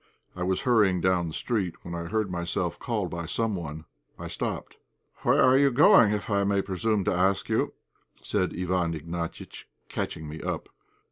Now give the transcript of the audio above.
I was hurrying down the street when I heard myself called by someone. I stopped. "Where are you going, if I may presume to ask you?" said Iwán Ignatiitch, catching me up.